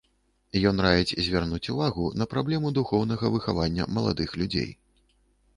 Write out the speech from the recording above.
Ён раіць звярнуць увагу на праблему духоўнага выхавання маладых людзей.